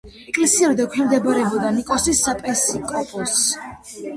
ეკლესიურად ექვემდებარებოდა ნიქოზის საეპისკოპოსოს.